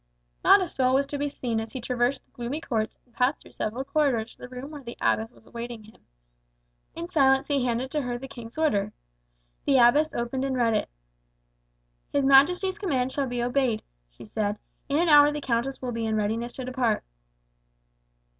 Not a soul was to be seen as he traversed the gloomy courts and passed through several corridors to the room where the abbess was waiting him. In silence he handed to her the king's order. The abbess opened and read it. "His majesty's commands shall be obeyed," she said; "in an hour the countess will be in readiness to depart."